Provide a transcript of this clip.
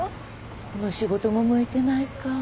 この仕事も向いてないか。